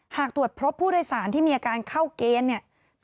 หากตรวจพบผู้โดยสารที่มีอาการเข้าเกณฑ์เนี่ย